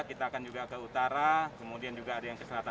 kita akan juga ke utara kemudian juga ada yang ke selatan